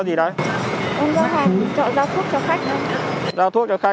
ông giao hàng trợ giao thuốc cho khách